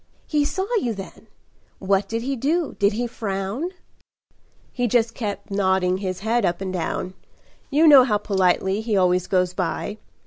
"He saw you, then? What did he do? Did he frown?" "He just kept nodding his head up and down. You know how politely he always goes by.